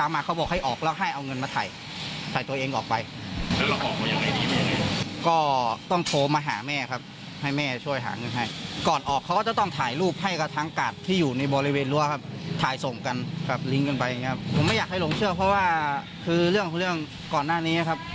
ไม่เชื่อเพราะว่าคือเรื่องก่อนหน้านี้ครับ